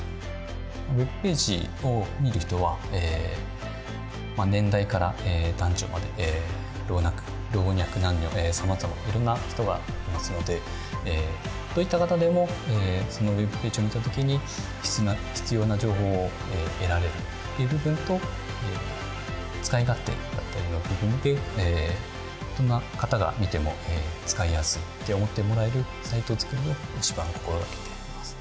Ｗｅｂページを見る人は年代から男女まで老若男女さまざまいろんな人がいますのでどういった方でもそのＷｅｂページを見た時に必要な情報を得られるっていう部分と使い勝手だったりの部分でどんな方が見ても使いやすいって思ってもらえるサイト作りを一番心がけています。